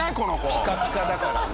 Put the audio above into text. ピカピカだからね。